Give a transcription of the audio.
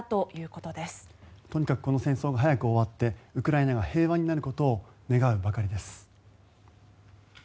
とにかくこの戦争が早く終わってウクライナが平和になることを願うばかりです。